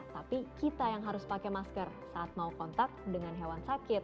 tapi kita yang harus pakai masker saat mau kontak dengan hewan sakit